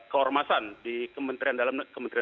keormasan di kementerian dalam negeri kementerian